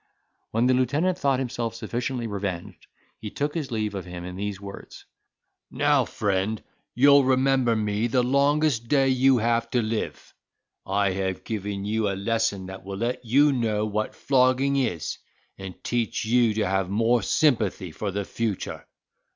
When the lieutenant thought himself sufficiently revenged, he took his leave of him in these words: "Now, friend, you'll remember me the longest day you have to live; I have given you a lesson that will let you know what flogging is, and teach you to have more sympathy for the future.